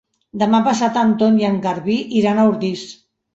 Demà passat en Ton i en Garbí iran a Ordis.